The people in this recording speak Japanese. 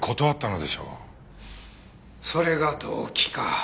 それが動機か。